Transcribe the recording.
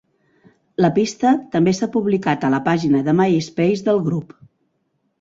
La pista també s'ha publicat a la pàgina de Myspace del grup.